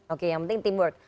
oke yang penting timur